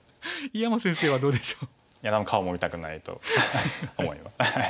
いや顔も見たくないと思います。